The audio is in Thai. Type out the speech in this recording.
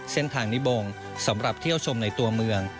เส้นทางนิบงสำหรับเที่ยวชมในตัวเมือง